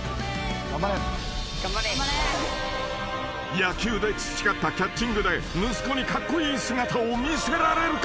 ［野球で培ったキャッチングで息子にカッコイイ姿を見せられるか？］